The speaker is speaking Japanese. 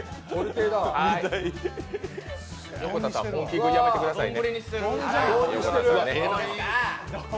横田さん、本気食いやめてくださいね。